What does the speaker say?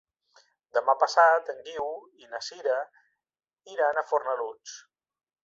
Demà passat en Guiu i na Sira iran a Fornalutx.